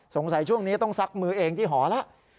สงสัยช่วงนี้ต้องซักมือเองที่หอละ